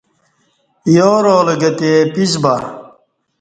یارالہ گہ تے پیس با